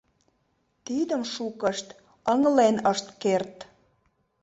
Тидым шукышт ыҥлен ышт керт.